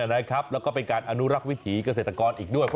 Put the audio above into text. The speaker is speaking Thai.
แล้วก็เป็นการอนุรักษ์วิถีเกษตรกรอีกด้วย